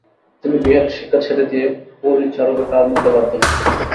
তিনি বিহারের শিক্ষা ছেড়ে দিয়ে পরিচারকের কাজ নিতে বাধ্য হন।